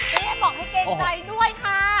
ให้บอกให้เกรงใจด้วยค่ะ